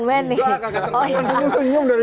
tidak tidak tertekan senyum senyum dari